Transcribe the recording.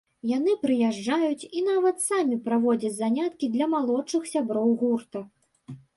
Яны прыязджаюць і нават самі праводзяць заняткі для малодшых сяброў гурта.